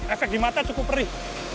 efek di mata cukup perih